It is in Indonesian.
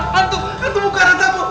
hantu hantu bukan rasa bu